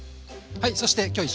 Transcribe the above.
はい。